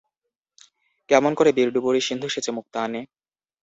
কেমন করে বীর ডুবুরি সিন্ধু সেঁচে মুক্তা আনে?